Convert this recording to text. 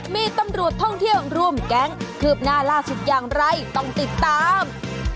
มีตำรวจท่องเที่ยวร่วมแก๊งคืบหน้าล่าสุดอย่างไรต้องติดตาม